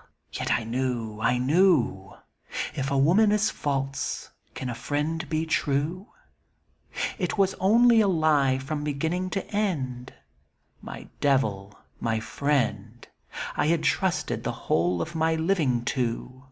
Ugh ! yet I knew — I knew — If a woman is false can a friend be tijue ? It was only a lie from beginning to end — My Devil — my " Friend '* I had trusted the whole of my living to